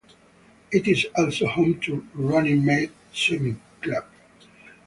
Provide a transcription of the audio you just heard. It is also home to Runnymede Swimming Club.